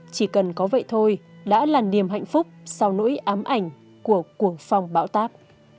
chỉ cần có vậy thôi đã là niềm hạnh phúc sau nỗi ám ảnh của cuồng phong bão táp